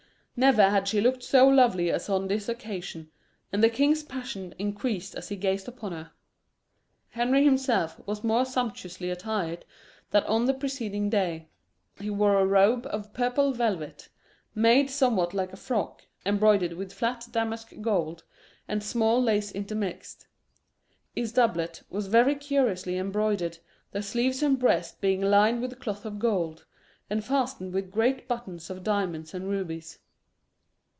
Never had she looked so lovely as on this occasion, and the king's passion increased as he gazed upon her. Henry himself was more sumptuously attired than on the preceding day. He wore a robe of purple velvet, made somewhat like a frock, embroidered with flat damask gold, and small lace intermixed. His doublet was very curiously embroidered, the sleeves and breast being lined with cloth of gold, and fastened with great buttons of diamonds and rubies.